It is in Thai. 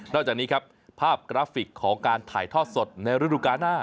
จากนี้ครับภาพกราฟิกของการถ่ายทอดสดในฤดูกาลหน้า